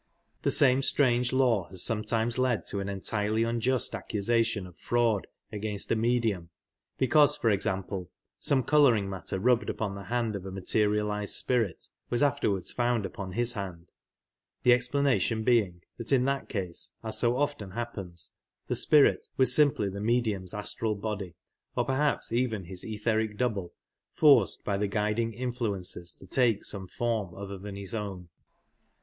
Thp same strange law has sometimes led to an pntirely unjpst accusation of fraud ^ain^t ^ mpdjum, because* for example, some colour ing matter rjubbec) upon the h^pd of a i^^ateriali^id *•* spirit " was afterwards ^und upon his hand^the explanation being that in that ca^e, a? $o often happens, the ''spirit" W93 siqaply tl>p medium's astral bojdy or perhaps even his etl>eric doublp, ijorce^ by the guiding in^uence? t,o take some form other than his own.